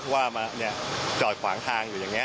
ว่ามาเนี่ยจอดขวางทางอยู่อย่างเนี้ย